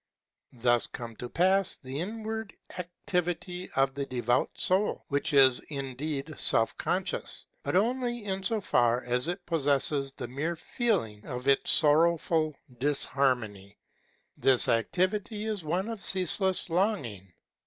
Thus comes to pass the in ward activity of the devout soul, which is indeed self conscious, but only in so far as it possesses the mere feeling of its sorrowful disharmony. This activity is one of ceaseless longing.